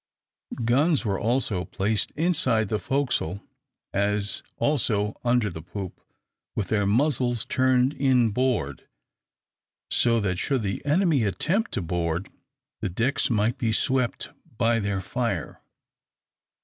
Guns were also placed inside the forecastle, as also under the poop, with their muzzles turned in board, so that should the enemy attempt to board, the decks might be swept by their fire.